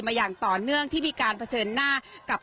อย่างต่อเนื่องที่มีการเผชิญหน้ากับ